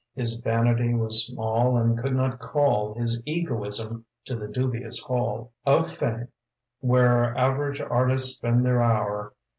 His vanity was small and could not call His egoism to the dubious hall Of fame, where average artists spend their hour.